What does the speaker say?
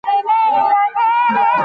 د وارداتو کنټرول اړین دی.